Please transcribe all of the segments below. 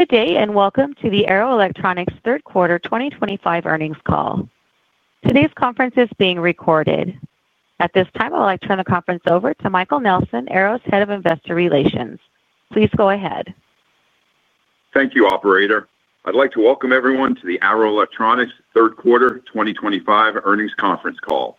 Good day and welcome to the Arrow Electronics third quarter 2025 earnings call. Today's conference is being recorded. At this time, I'll turn the conference over to Michael Nelson, Arrow's Head of Investor Relations. Please go ahead. Thank you, Operator. I'd like to welcome everyone to the Arrow Electronics third quarter 2025 earnings conference call.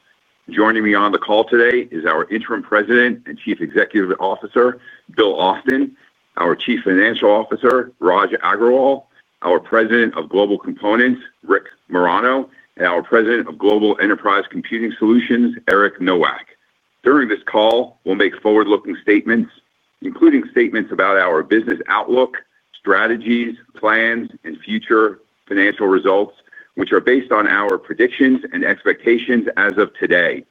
Joining me on the call today is our Interim President and Chief Executive Officer, Bill Austen, our Chief Financial Officer, Raj Agrawal, our President of Global Components, Rick Marano, and our President of Global Enterprise Computing Solutions, Eric Nowak. During this call, we'll make forward-looking statements, including statements about our business outlook, strategies, plans, and future financial results, which are based on our predictions and expectations as of today.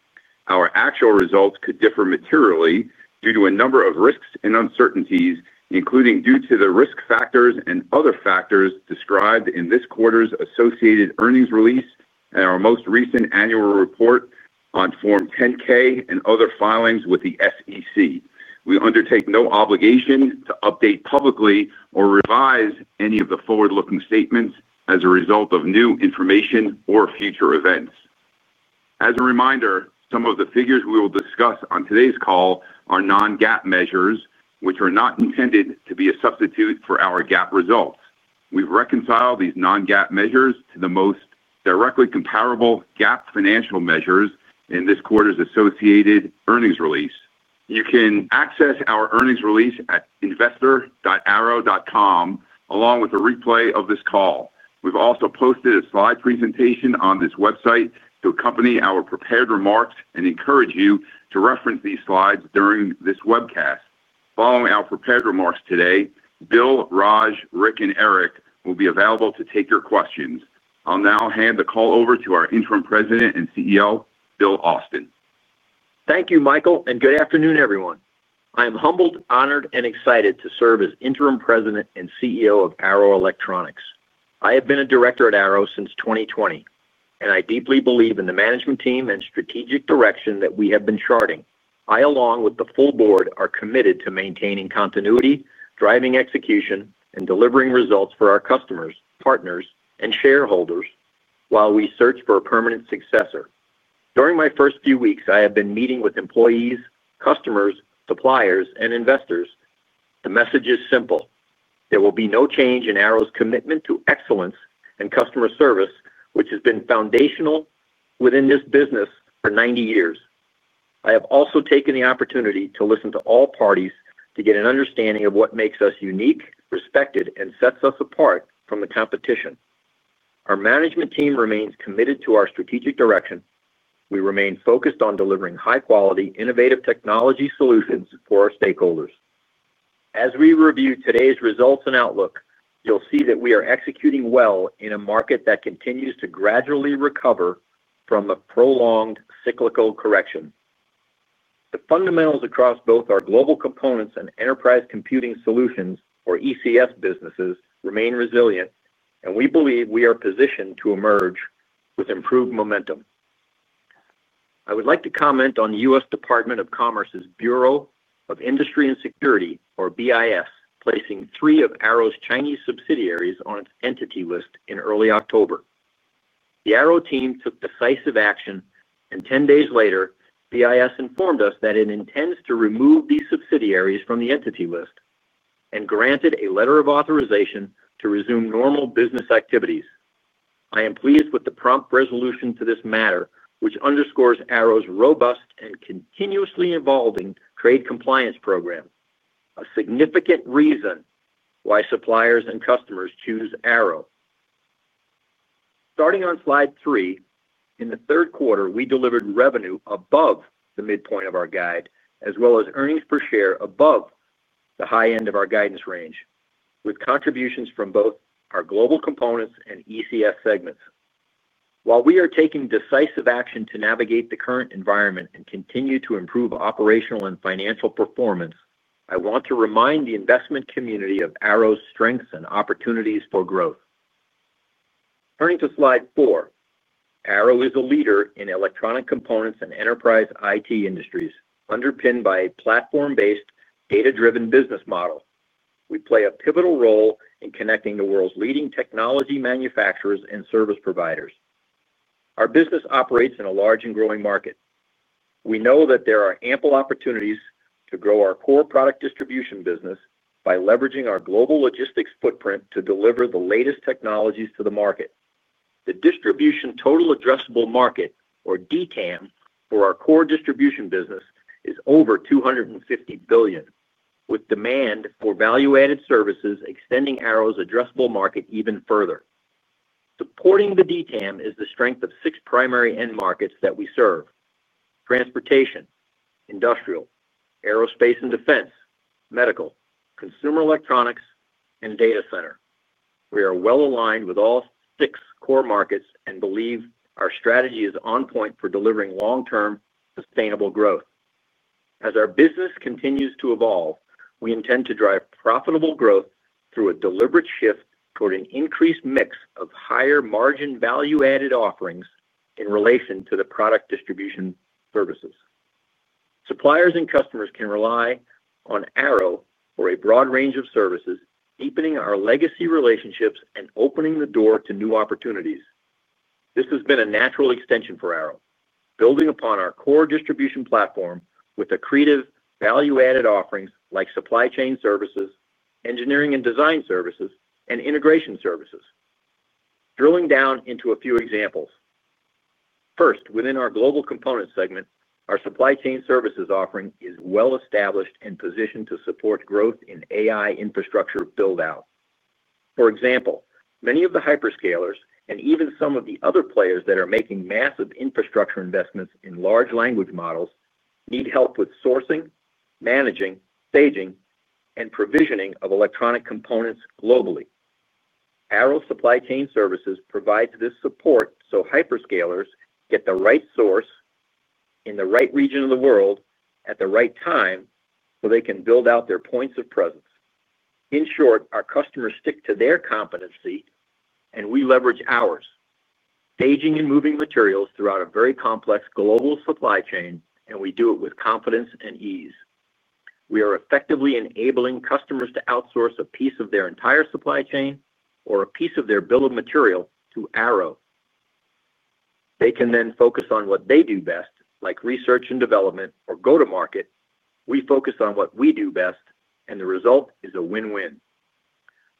Our actual results could differ materially due to a number of risks and uncertainties, including due to the risk factors and other factors described in this quarter's associated earnings release and our most recent annual report on Form 10-K and other filings with the SEC. We undertake no obligation to update publicly or revise any of the forward-looking statements as a result of new information or future events. As a reminder, some of the figures we will discuss on today's call are non-GAAP measures, which are not intended to be a substitute for our GAAP results. We've reconciled these non-GAAP measures to the most directly comparable GAAP financial measures in this quarter's associated earnings release. You can access our earnings release at investor.arrow.com, along with a replay of this call. We've also posted a slide presentation on this website to accompany our prepared remarks and encourage you to reference these slides during this webcast. Following our prepared remarks today, Bill, Raj, Rick, and Eric will be available to take your questions. I'll now hand the call over to our Interim President and CEO, Bill Austen. Thank you, Michael, and good afternoon, everyone. I am humbled, honored, and excited to serve as Interim President and CEO of Arrow Electronics. I have been a director at Arrow since 2020, and I deeply believe in the management team and strategic direction that we have been charting. I, along with the full board, am committed to maintaining continuity, driving execution, and delivering results for our customers, partners, and shareholders while we search for a permanent successor. During my first few weeks, I have been meeting with employees, customers, suppliers, and investors. The message is simple: there will be no change in Arrow's commitment to excellence and customer service, which has been foundational within this business for 90 years. I have also taken the opportunity to listen to all parties to get an understanding of what makes us unique, respected, and sets us apart from the competition. Our management team remains committed to our strategic direction. We remain focused on delivering high-quality, innovative technology solutions for our stakeholders. As we review today's results and outlook, you'll see that we are executing well in a market that continues to gradually recover from a prolonged cyclical correction. The fundamentals across both our Global Components and Enterprise Computing Solutions, or ECS, businesses remain resilient, and we believe we are positioned to emerge with improved momentum. I would like to comment on the U.S. Department of Commerce's Bureau of Industry and Security, or BIS, placing three of Arrow's Chinese subsidiaries on its entity list in early October. The Arrow team took decisive action, and ten days later, BIS informed us that it intends to remove these subsidiaries from the entity list and granted a letter of authorization to resume normal business activities. I am pleased with the prompt resolution to this matter, which underscores Arrow's robust and continuously evolving trade compliance program, a significant reason why suppliers and customers choose Arrow. Starting on slide three, in the third quarter, we delivered revenue above the midpoint of our guide, as well as earnings per share above the high end of our guidance range, with contributions from both our Global Components and ECS segments. While we are taking decisive action to navigate the current environment and continue to improve operational and financial performance, I want to remind the investment community of Arrow's strengths and opportunities for growth. Turning to slide four. Arrow is a leader in electronic components and enterprise IT industries, underpinned by a platform-based, data-driven business model. We play a pivotal role in connecting the world's leading technology manufacturers and service providers. Our business operates in a large and growing market. We know that there are ample opportunities to grow our core product distribution business by leveraging our global logistics footprint to deliver the latest technologies to the market. The distribution total addressable market, or DTAM, for our core distribution business is over $250 billion, with demand for value-added services extending Arrow's addressable market even further. Supporting the DTAM is the strength of six primary end markets that we serve: transportation, industrial, aerospace and defense, medical, consumer electronics, and data center. We are well aligned with all six core markets and believe our strategy is on point for delivering long-term sustainable growth. As our business continues to evolve, we intend to drive profitable growth through a deliberate shift toward an increased mix of higher-margin value-added offerings in relation to the product distribution services. Suppliers and customers can rely on Arrow for a broad range of services, deepening our legacy relationships and opening the door to new opportunities. This has been a natural extension for Arrow, building upon our core distribution platform with accretive value-added offerings like supply chain services, engineering and design services, and integration services. Drilling down into a few examples. First, within our Global Components segment, our supply chain services offering is well established and positioned to support growth in AI infrastructure build-out. For example, many of the hyperscalers and even some of the other players that are making massive infrastructure investments in large language models need help with sourcing, managing, staging, and provisioning of electronic components globally. Arrow Supply Chain Services provides this support so hyperscalers get the right source in the right region of the world at the right time so they can build out their points of presence. In short, our customers stick to their competency, and we leverage ours. Staging and moving materials throughout a very complex global supply chain, and we do it with confidence and ease. We are effectively enabling customers to outsource a piece of their entire supply chain or a piece of their bill of material to Arrow. They can then focus on what they do best, like research and development or go-to-market. We focus on what we do best, and the result is a win-win.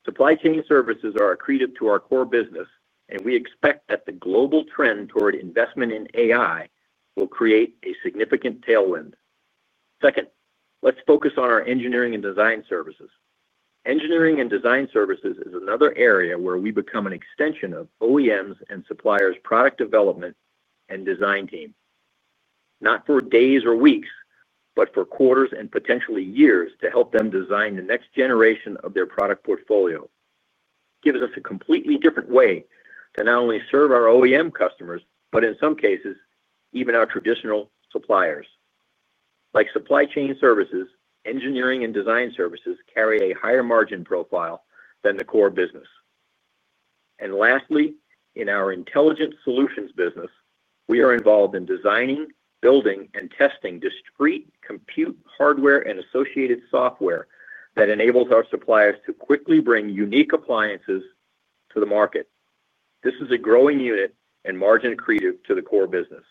Supply chain services are accretive to our core business, and we expect that the global trend toward investment in AI will create a significant tailwind. Second, let's focus on our engineering and design services. Engineering and design services is another area where we become an extension of OEMs and suppliers' product development and design team. Not for days or weeks, but for quarters and potentially years to help them design the next generation of their product portfolio. It gives us a completely different way to not only serve our OEM customers, but in some cases, even our traditional suppliers. Like supply chain services, engineering and design services carry a higher margin profile than the core business. Lastly, in our intelligence solutions business, we are involved in designing, building, and testing discrete compute hardware and associated software that enables our suppliers to quickly bring unique appliances to the market. This is a growing unit and margin accretive to the core business.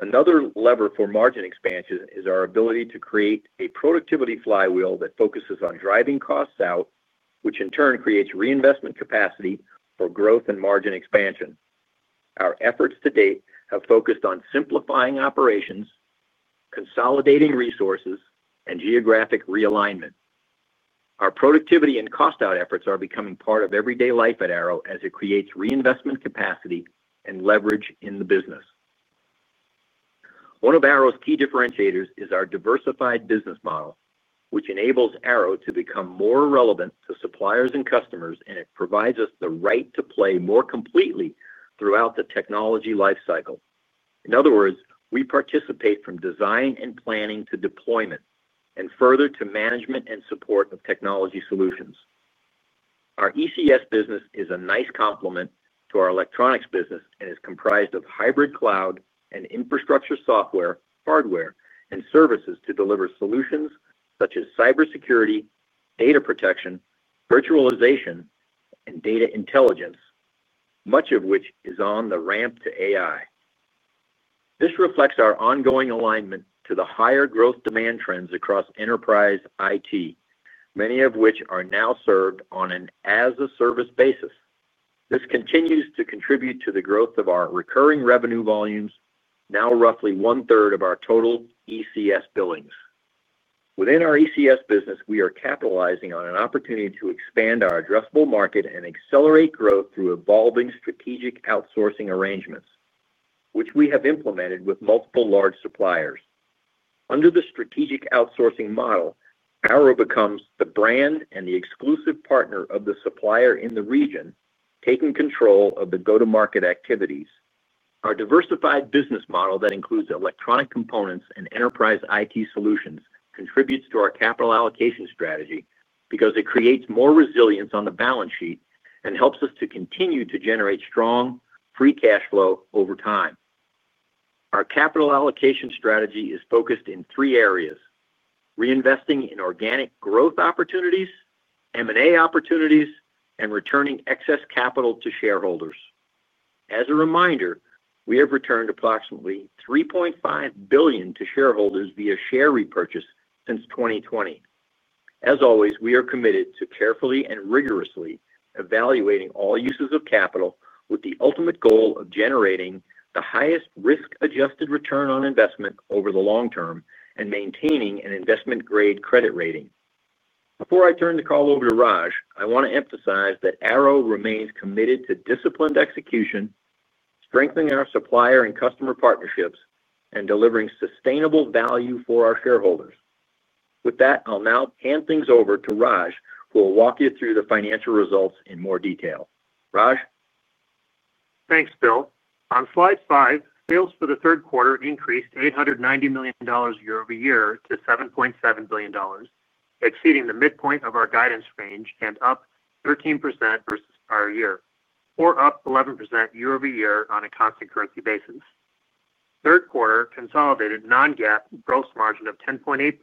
Another lever for margin expansion is our ability to create a productivity flywheel that focuses on driving costs out, which in turn creates reinvestment capacity for growth and margin expansion. Our efforts to date have focused on simplifying operations, consolidating resources, and geographic realignment. Our productivity and cost-out efforts are becoming part of everyday life at Arrow as it creates reinvestment capacity and leverage in the business. One of Arrow's key differentiators is our diversified business model, which enables Arrow to become more relevant to suppliers and customers, and it provides us the right to play more completely throughout the technology lifecycle. In other words, we participate from design and planning to deployment and further to management and support of technology solutions. Our ECS business is a nice complement to our electronics business and is comprised of hybrid cloud and infrastructure software, hardware, and services to deliver solutions such as cybersecurity, data protection, virtualization, and data intelligence, much of which is on the ramp to AI. This reflects our ongoing alignment to the higher growth demand trends across enterprise IT, many of which are now served on an as-a-service basis. This continues to contribute to the growth of our recurring revenue volumes, now roughly one-third of our total ECS billings. Within our ECS business, we are capitalizing on an opportunity to expand our addressable market and accelerate growth through evolving strategic outsourcing arrangements, which we have implemented with multiple large suppliers. Under the strategic outsourcing model, Arrow becomes the brand and the exclusive partner of the supplier in the region, taking control of the go-to-market activities. Our diversified business model that includes electronic components and enterprise IT solutions contributes to our capital allocation strategy because it creates more resilience on the balance sheet and helps us to continue to generate strong, free cash flow over time. Our capital allocation strategy is focused in three areas: reinvesting in organic growth opportunities, M&A opportunities, and returning excess capital to shareholders. As a reminder, we have returned approximately $3.5 billion to shareholders via share repurchase since 2020. As always, we are committed to carefully and rigorously evaluating all uses of capital with the ultimate goal of generating the highest risk-adjusted return on investment over the long term and maintaining an investment-grade credit rating. Before I turn the call over to Raj, I want to emphasize that Arrow remains committed to disciplined execution, strengthening our supplier and customer partnerships, and delivering sustainable value for our shareholders. With that, I'll now hand things over to Raj, who will walk you through the financial results in more detail. Raj? Thanks, Bill. On slide five, sales for the third quarter increased $890 million year-over-year to $7.7 billion, exceeding the midpoint of our guidance range and up 13% versus prior year, or up 11% year-over-year on a constant currency basis. Third quarter consolidated non-GAAP gross margin of 10.8%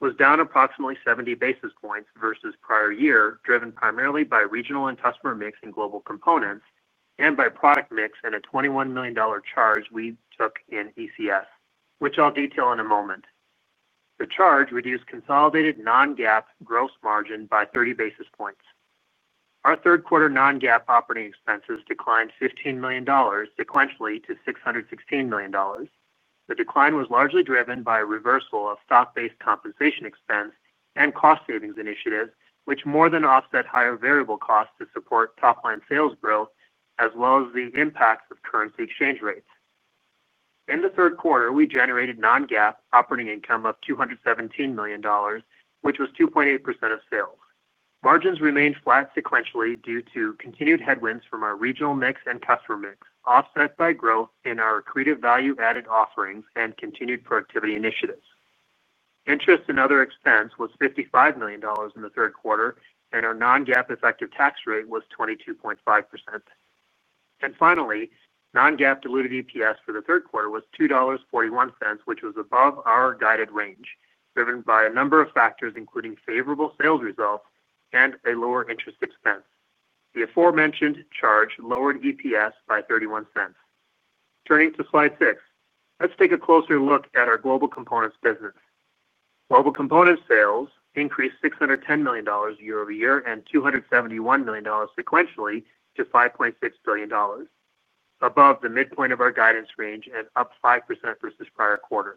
was down approximately 70 basis points versus prior year, driven primarily by regional and customer mix in Global Components and by product mix and a $21 million charge we took in ECS, which I'll detail in a moment. The charge reduced consolidated non-GAAP gross margin by 30 basis points. Our third quarter non-GAAP operating expenses declined $15 million sequentially to $616 million. The decline was largely driven by a reversal of stock-based compensation expense and cost savings initiatives, which more than offset higher variable costs to support top-line sales growth, as well as the impacts of currency exchange rates. In the third quarter, we generated non-GAAP operating income of $217 million, which was 2.8% of sales. Margins remained flat sequentially due to continued headwinds from our regional mix and customer mix, offset by growth in our accretive value-added offerings and continued productivity initiatives. Interest and other expense was $55 million in the third quarter, and our non-GAAP effective tax rate was 22.5%. Finally, non-GAAP diluted EPS for the third quarter was $2.41, which was above our guided range, driven by a number of factors, including favorable sales results and a lower interest expense. The aforementioned charge lowered EPS by $0.31. Turning to slide six, let's take a closer look at our Global Components business. Global Components sales increased $610 million year-over-year and $271 million sequentially to $5.6 billion, above the midpoint of our guidance range and up 5% versus prior quarter.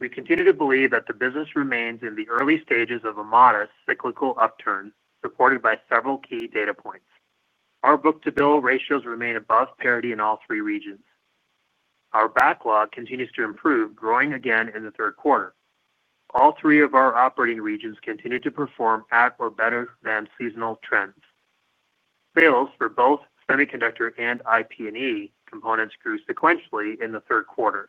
We continue to believe that the business remains in the early stages of a modest cyclical upturn supported by several key data points. Our book-to-bill ratios remain above parity in all three regions. Our backlog continues to improve, growing again in the third quarter. All three of our operating regions continue to perform at or better than seasonal trends. Sales for both semiconductor and IP&E components grew sequentially in the third quarter.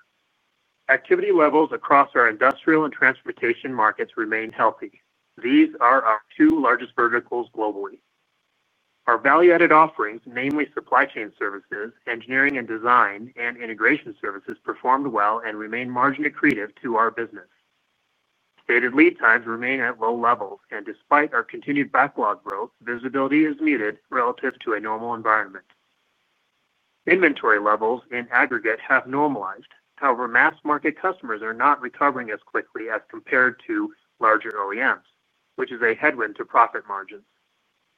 Activity levels across our industrial and transportation markets remain healthy. These are our two largest verticals globally. Our value-added offerings, namely supply chain services, engineering and design, and integration services performed well and remain margin-accretive to our business. Stated lead times remain at low levels, and despite our continued backlog growth, visibility is muted relative to a normal environment. Inventory levels in aggregate have normalized. However, mass market customers are not recovering as quickly as compared to larger OEMs, which is a headwind to profit margins.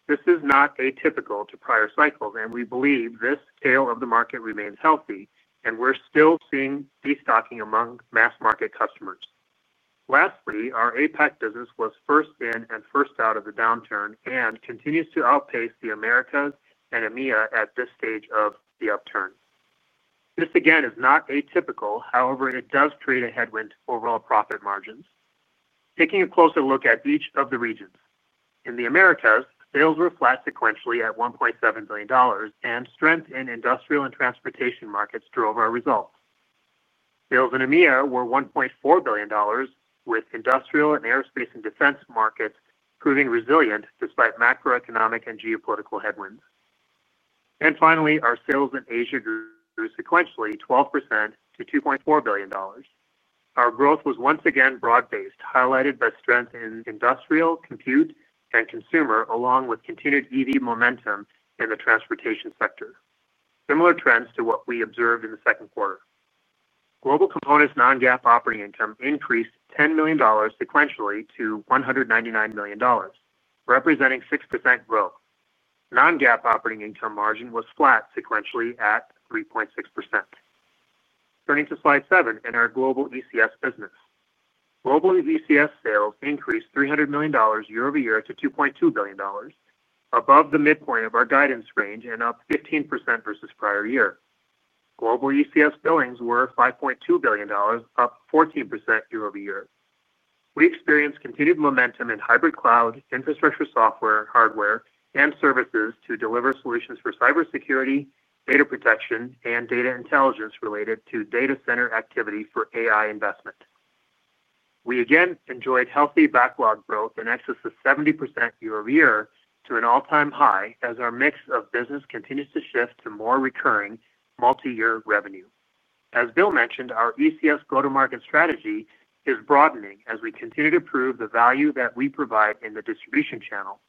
This is not atypical to prior cycles, and we believe this tail of the market remains healthy, and we're still seeing restocking among mass market customers. Lastly, our APAC business was first in and first out of the downturn and continues to outpace the Americas and EMEA at this stage of the upturn. This, again, is not atypical. However, it does create a headwind to overall profit margins. Taking a closer look at each of the regions, in the Americas, sales were flat sequentially at $1.7 billion, and strength in industrial and transportation markets drove our results. Sales in EMEA were $1.4 billion, with industrial and aerospace and defense markets proving resilient despite macroeconomic and geopolitical headwinds. Finally, our sales in Asia grew sequentially 12% to $2.4 billion. Our growth was once again broad-based, highlighted by strength in industrial, compute, and consumer, along with continued EV momentum in the transportation sector, similar trends to what we observed in the second quarter. Global Components non-GAAP operating income increased $10 million sequentially to $199 million, representing 6% growth. Non-GAAP operating income margin was flat sequentially at 3.6%. Turning to slide seven in our global ECS business, Global ECS sales increased $300 million year-over-year to $2.2 billion, above the midpoint of our guidance range and up 15% versus prior year. Global ECS billings were $5.2 billion, up 14% year-over-year. We experienced continued momentum in hybrid cloud, infrastructure software, hardware, and services to deliver solutions for cybersecurity, data protection, and data intelligence related to data center activity for AI investment. We, again, enjoyed healthy backlog growth in excess of 70% year-over-year to an all-time high as our mix of business continues to shift to more recurring multi-year revenue. As Bill mentioned, our ECS go-to-market strategy is broadening as we continue to prove the value that we provide in the distribution channel.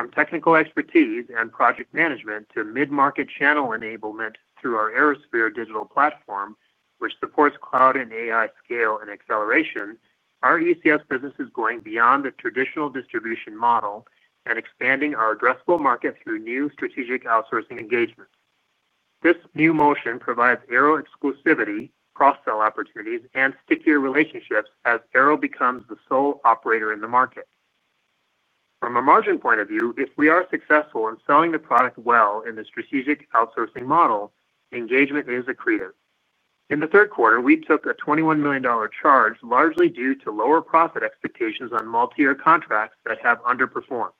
From technical expertise and project management to mid-market channel enablement through our ArrowSphere digital platform, which supports cloud and AI scale and acceleration, our ECS business is going beyond the traditional distribution model and expanding our addressable market through new strategic outsourcing engagements. This new motion provides Arrow exclusivity, cross-sell opportunities, and stickier relationships as Arrow becomes the sole operator in the market. From a margin point of view, if we are successful in selling the product well in the strategic outsourcing model, engagement is accretive. In the third quarter, we took a $21 million charge, largely due to lower profit expectations on multi-year contracts that have underperformed.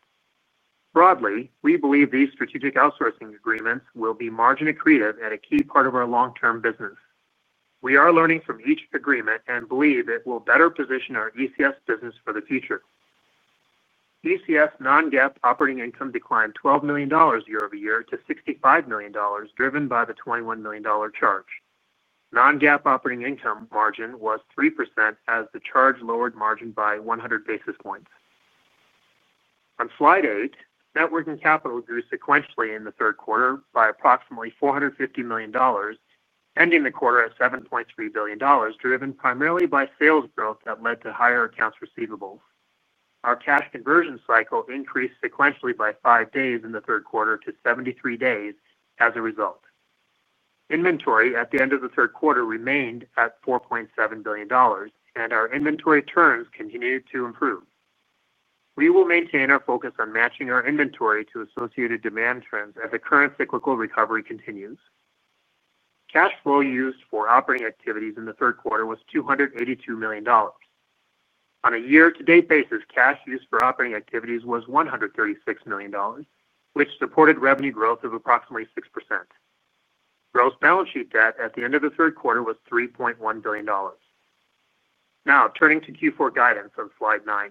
Broadly, we believe these strategic outsourcing agreements will be margin-accretive and a key part of our long-term business. We are learning from each agreement and believe it will better position our ECS business for the future. ECS non-GAAP operating income declined $12 million year-over-year to $65 million, driven by the $21 million charge. Non-GAAP operating income margin was 3% as the charge lowered margin by 100 basis points. On slide eight, networking capital grew sequentially in the third quarter by approximately $450 million, ending the quarter at $7.3 billion, driven primarily by sales growth that led to higher accounts receivables. Our cash conversion cycle increased sequentially by five days in the third quarter to 73 days as a result. Inventory at the end of the third quarter remained at $4.7 billion, and our inventory turns continued to improve. We will maintain our focus on matching our inventory to associated demand trends as the current cyclical recovery continues. Cash flow used for operating activities in the third quarter was $282 million. On a year-to-date basis, cash used for operating activities was $136 million, which supported revenue growth of approximately 6%. Gross balance sheet debt at the end of the third quarter was $3.1 billion. Now, turning to Q4 guidance on slide nine,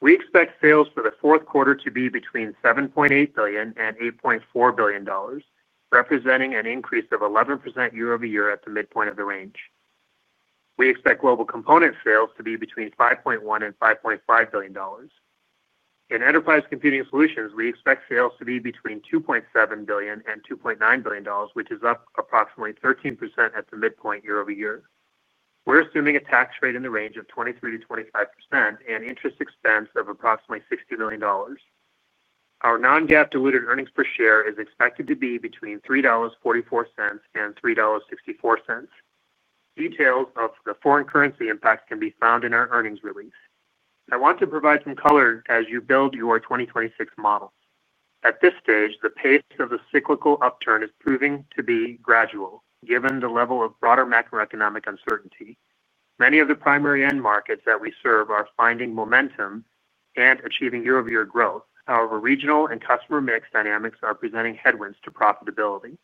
we expect sales for the fourth quarter to be between $7.8 billion-$8.4 billion, representing an increase of 11% year-over-year at the midpoint of the range. We expect Global Components sales to be between $5.1 billion-$5.5 billion. In Enterprise Computing Solutions, we expect sales to be between $2.7 billion-$2.9 billion, which is up approximately 13% at the midpoint year-over-year. We're assuming a tax rate in the range of 23%-25% and interest expense of approximately $60 million. Our non-GAAP diluted earnings per share is expected to be between $3.44-$3.64. Details of the foreign currency impact can be found in our earnings release. I want to provide some color as you build your 2026 model. At this stage, the pace of the cyclical upturn is proving to be gradual, given the level of broader macroeconomic uncertainty. Many of the primary end markets that we serve are finding momentum and achieving year-over-year growth. However, regional and customer mix dynamics are presenting headwinds to profitability.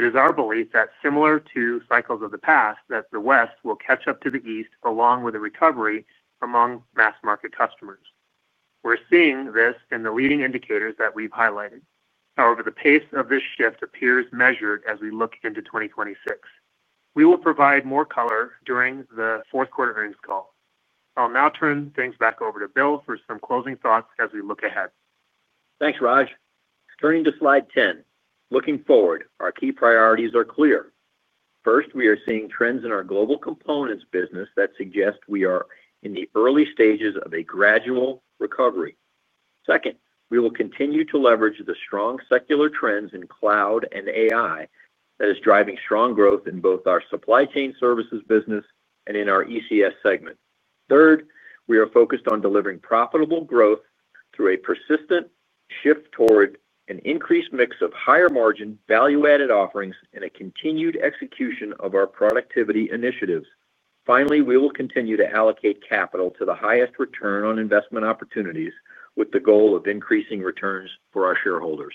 It is our belief that, similar to cycles of the past, the West will catch up to the East along with a recovery among mass market customers. We're seeing this in the leading indicators that we've highlighted. However, the pace of this shift appears measured as we look into 2026. We will provide more color during the fourth quarter earnings call. I'll now turn things back over to Bill for some closing thoughts as we look ahead. Thanks, Raj. Turning to slide 10, looking forward, our key priorities are clear. First, we are seeing trends in our Global Components business that suggest we are in the early stages of a gradual recovery. Second, we will continue to leverage the strong secular trends in cloud and AI that are driving strong growth in both our supply chain services business and in our ECS segment. Third, we are focused on delivering profitable growth through a persistent shift toward an increased mix of higher margin, value-added offerings, and a continued execution of our productivity initiatives. Finally, we will continue to allocate capital to the highest return on investment opportunities with the goal of increasing returns for our shareholders.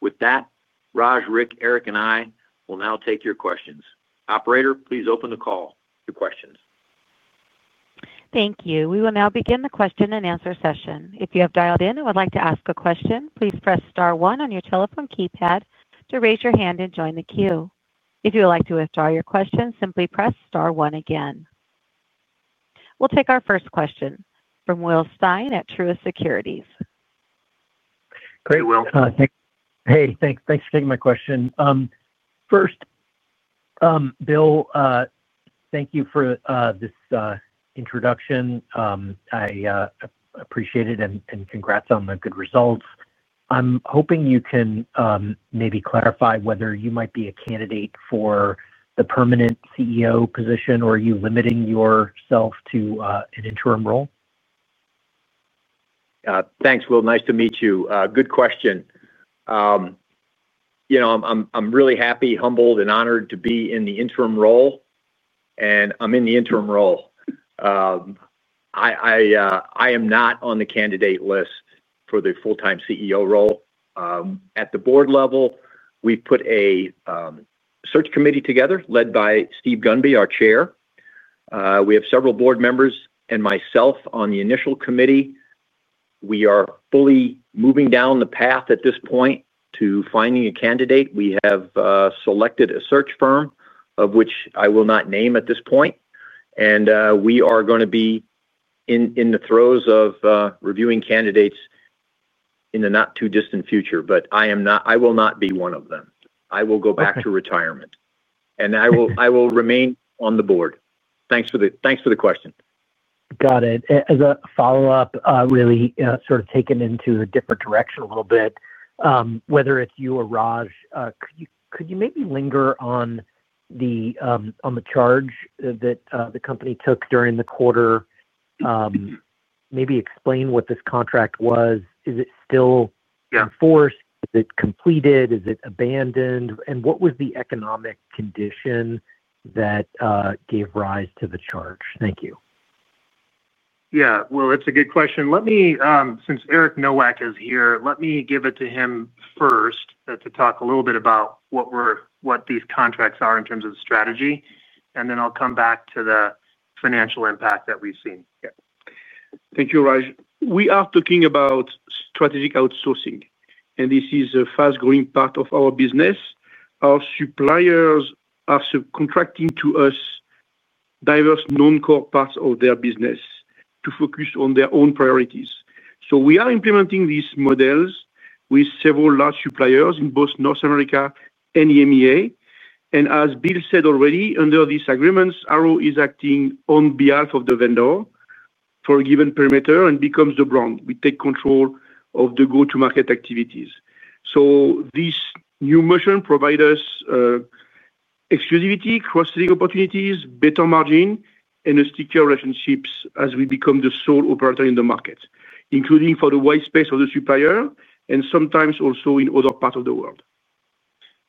With that, Raj, Rick, Eric, and I will now take your questions. Operator, please open the call to questions. Thank you. We will now begin the question-and-answer session. If you have dialed in and would like to ask a question, please press star one on your telephone keypad to raise your hand and join the queue. If you would like to withdraw your question, simply press star one again. We'll take our first question from Will Stein at Truist Securities. Great, Will. Hey, thanks for taking my question. First, Bill, thank you for this introduction. I appreciate it and congrats on the good results. I'm hoping you can maybe clarify whether you might be a candidate for the permanent CEO position or are you limiting yourself to an interim role? Thanks, Will. Nice to meet you. Good question. I'm really happy, humbled, and honored to be in the interim role. I'm in the interim role. I am not on the candidate list for the full-time CEO role. At the board level, we've put a search committee together led by Steve Gunby, our Chair. We have several board members and myself on the initial committee. We are fully moving down the path at this point to finding a candidate. We have selected a search firm, which I will not name at this point. We are going to be in the throes of reviewing candidates in the not-too-distant future, but I will not be one of them. I will go back to retirement. I will remain on the board. Thanks for the question. Got it. As a follow-up, really sort of taken into a different direction a little bit, whether it's you or Raj, could you maybe linger on the charge that the company took during the quarter? Maybe explain what this contract was. Is it still in force? Is it completed? Is it abandoned? What was the economic condition that gave rise to the charge? Thank you. That's a good question. Since Eric Nowak is here, let me give it to him first to talk a little bit about what these contracts are in terms of strategy. I'll come back to the financial impact that we've seen. Thank you, Raj. We are talking about strategic outsourcing. This is a fast-growing part of our business. Our suppliers are subcontracting to us diverse non-core parts of their business to focus on their own priorities. We are implementing these models with several large suppliers in both North America and EMEA. As Bill said already, under these agreements, Arrow is acting on behalf of the vendor for a given perimeter and becomes the brand. We take control of the go-to-market activities. This new motion provides us exclusivity, cross-selling opportunities, better margin, and stickier relationships as we become the sole operator in the market, including for the white space of the supplier and sometimes also in other parts of the world.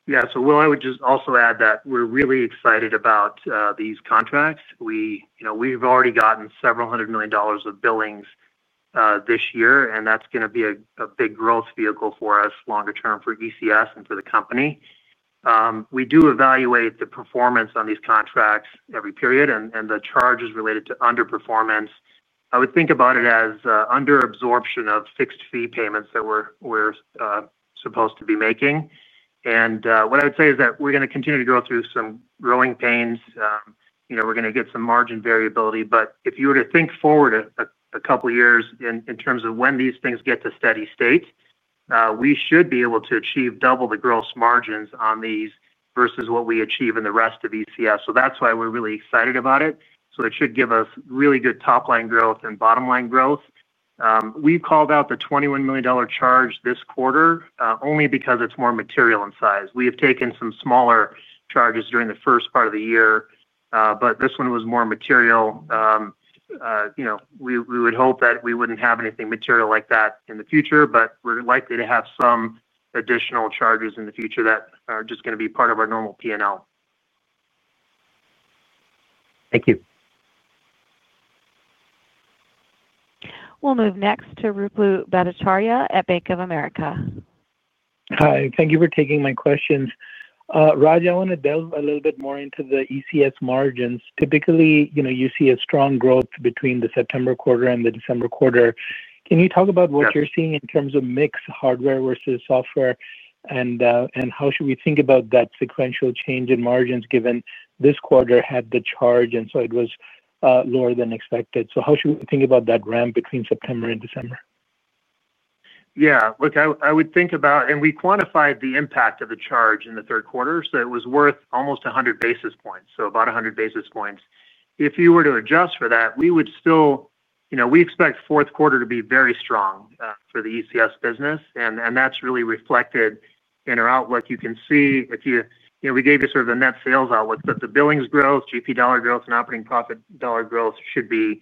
Yeah. Will, I would just also add that we're really excited about these contracts. We've already gotten several hundred million dollars of billings this year, and that's going to be a big growth vehicle for us longer term for ECS and for the company. We do evaluate the performance on these contracts every period, and the charge is related to underperformance. I would think about it as underabsorption of fixed fee payments that we're supposed to be making. What I would say is that we're going to continue to go through some growing pains. We're going to get some margin variability. If you were to think forward a couple of years in terms of when these things get to steady state, we should be able to achieve double the gross margins on these versus what we achieve in the rest of ECS. That's why we're really excited about it. It should give us really good top-line growth and bottom-line growth. We've called out the $21 million charge this quarter only because it's more material in size. We have taken some smaller charges during the first part of the year, but this one was more material. We would hope that we wouldn't have anything material like that in the future, but we're likely to have some additional charges in the future that are just going to be part of our normal P&L. Thank you. We'll move next to Ruplu Bhattacharya at Bank of America. Hi. Thank you for taking my questions. Raj, I want to delve a little bit more into the ECS margins. Typically, you see a strong growth between the September quarter and the December quarter. Can you talk about what you're seeing in terms of mixed hardware versus software? How should we think about that sequential change in margins given this quarter had the charge and it was lower than expected? How should we think about that ramp between September and December? Yeah. Look, I would think about and we quantified the impact of the charge in the third quarter. It was worth almost 100 basis points, so about 100 basis points. If you were to adjust for that, we would still. We expect fourth quarter to be very strong for the ECS business. That is really reflected in our outlook. You can see if you we gave you sort of the net sales outlook, but the billings growth, GP dollar growth, and operating profit dollar growth should be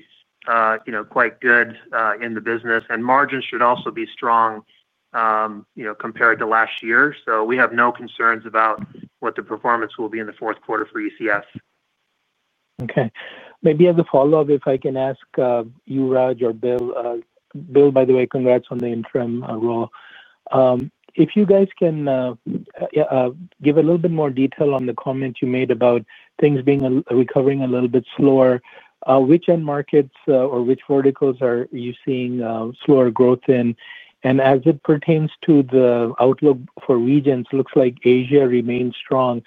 quite good in the business. Margins should also be strong compared to last year. We have no concerns about what the performance will be in the fourth quarter for ECS. Okay. Maybe as a follow-up, if I can ask you, Raj, or Bill. Bill, by the way, congrats on the interim role. If you guys can give a little bit more detail on the comment you made about things being recovering a little bit slower, which end markets or which verticals are you seeing slower growth in? As it pertains to the outlook for regions, it looks like Asia remains strong.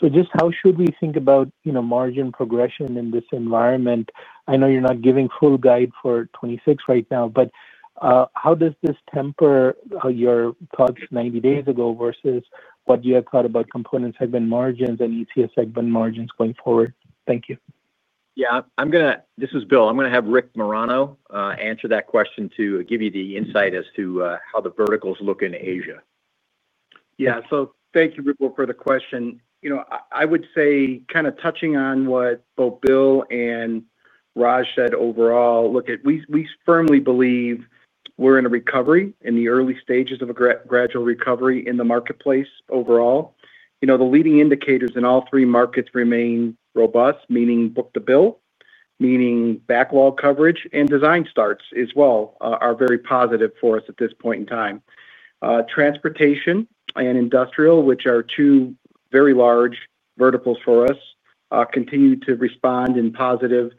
Just how should we think about margin progression in this environment? I know you're not giving full guide for 2026 right now, but how does this temper your thoughts 90 days ago versus what you have thought about components segment margins and ECS segment margins going forward? Thank you. Yeah. This is Bill. I'm going to have Rick Marano answer that question to give you the insight as to how the verticals look in Asia. Yeah. Thank you, Ruplu, for the question. I would say kind of touching on what both Bill and Raj said overall, look, we firmly believe we're in a recovery, in the early stages of a gradual recovery in the marketplace overall. The leading indicators in all three markets remain robust, meaning book to bill, meaning backlog coverage, and design starts as well are very positive for us at this point in time. Transportation and industrial, which are two very large verticals for us, continue to respond in positive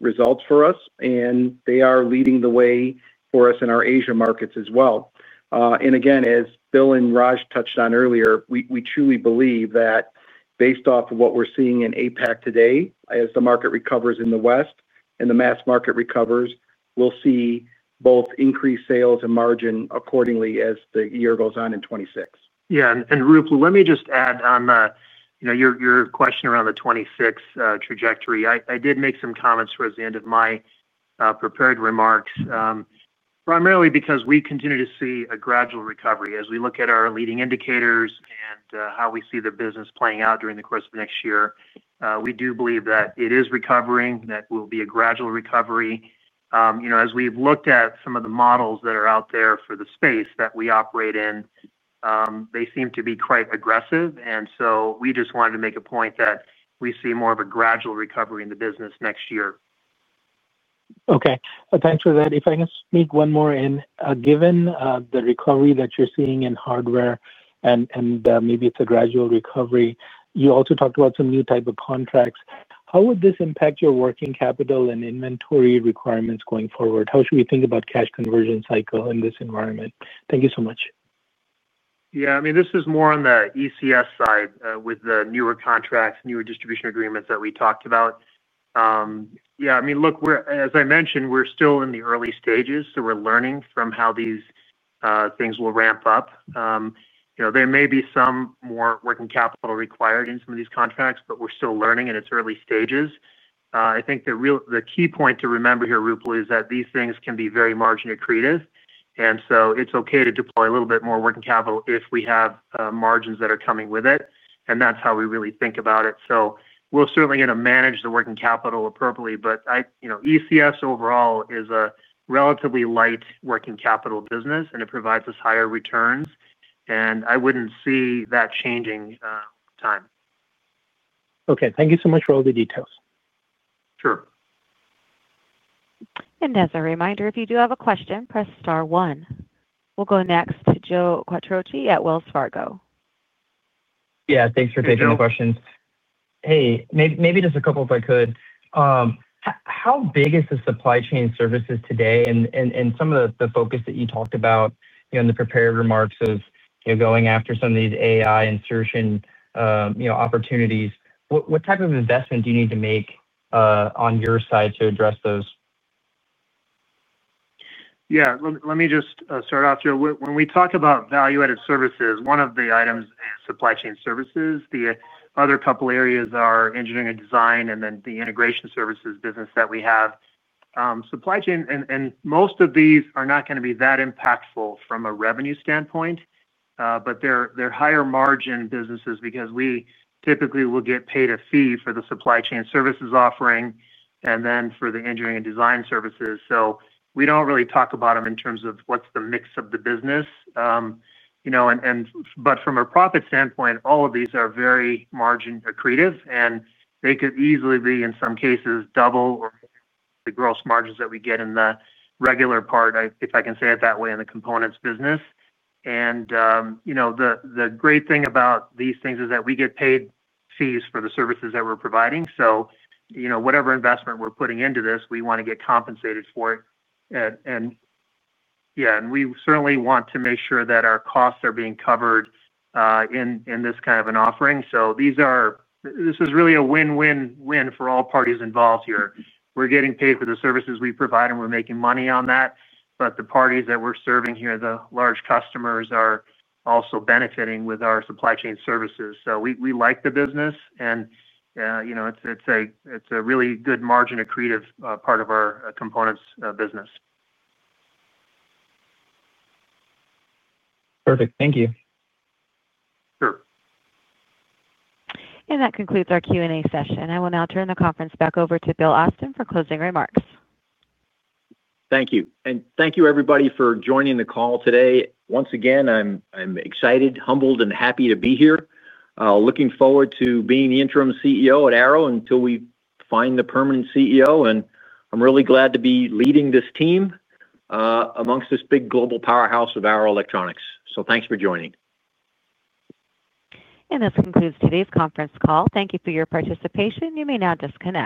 results for us. They are leading the way for us in our Asia markets as well. Again, as Bill and Raj touched on earlier, we truly believe that based off of what we're seeing in APAC today, as the market recovers in the West and the mass market recovers, we'll see both increased sales and margin accordingly as the year goes on in 2026. Yeah. Ruplu, let me just add on. Your question around the 2026 trajectory. I did make some comments towards the end of my prepared remarks, primarily because we continue to see a gradual recovery. As we look at our leading indicators and how we see the business playing out during the course of next year, we do believe that it is recovering, that it will be a gradual recovery. As we've looked at some of the models that are out there for the space that we operate in, they seem to be quite aggressive. We just wanted to make a point that we see more of a gradual recovery in the business next year. Okay. Thanks for that. If I can sneak one more in, given the recovery that you're seeing in hardware and maybe it's a gradual recovery, you also talked about some new type of contracts. How would this impact your working capital and inventory requirements going forward? How should we think about cash conversion cycle in this environment? Thank you so much. Yeah. I mean, this is more on the ECS side with the newer contracts, newer distribution agreements that we talked about. I mean, look, as I mentioned, we're still in the early stages. We're learning from how these things will ramp up. There may be some more working capital required in some of these contracts, but we're still learning and it's early stages. I think the key point to remember here, Ruplu, is that these things can be very margin-accretive. It's okay to deploy a little bit more working capital if we have margins that are coming with it. That's how we really think about it. We're certainly going to manage the working capital appropriately. ECS overall is a relatively light working capital business, and it provides us higher returns. I wouldn't see that changing time. Okay, thank you so much for all the details. Sure. As a reminder, if you do have a question, press star one. We'll go next to Joe Quatrochi at Wells Fargo. Yeah. Thanks for taking the questions. Maybe just a couple if I could. How big is the supply chain services today? Some of the focus that you talked about in the prepared remarks of going after some of these AI insertion opportunities, what type of investment do you need to make on your side to address those? Yeah. Let me just start off here. When we talk about value-added services, one of the items is supply chain services. The other couple of areas are engineering and design and then the integration services business that we have. Supply chain and most of these are not going to be that impactful from a revenue standpoint. They're higher margin businesses because we typically will get paid a fee for the supply chain services offering and then for the engineering and design services. We don't really talk about them in terms of what's the mix of the business. From a profit standpoint, all of these are very margin accretive. They could easily be, in some cases, double the gross margins that we get in the regular part, if I can say it that way, in the components business. The great thing about these things is that we get paid fees for the services that we're providing. Whatever investment we're putting into this, we want to get compensated for it. We certainly want to make sure that our costs are being covered in this kind of an offering. This is really a win-win-win for all parties involved here. We're getting paid for the services we provide, and we're making money on that. The parties that we're serving here, the large customers, are also benefiting with our supply chain services. We like the business. It's a really good margin accretive part of our components business. Perfect. Thank you. Sure. That concludes our Q&A session. I will now turn the conference back over to Bill Austen for closing remarks. Thank you. Thank you, everybody, for joining the call today. Once again, I'm excited, humbled, and happy to be here. Looking forward to being the interim CEO at Arrow Electronics until we find the permanent CEO. I'm really glad to be leading this team among this big global powerhouse of Arrow Electronics. Thanks for joining. This concludes today's conference call. Thank you for your participation. You may now disconnect.